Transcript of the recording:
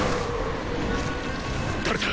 誰だ？